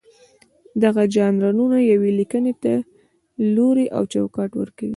دغه ژانرونه یوې لیکنې ته لوری او چوکاټ ورکوي.